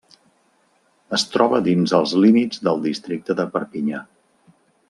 Es troba dins els límits del Districte de Perpinyà.